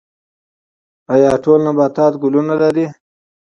ایا ټول نباتات ګلونه لري؟